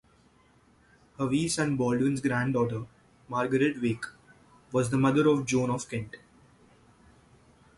Hawise and Baldwin's granddaughter, Margaret Wake, was the mother of Joan of Kent.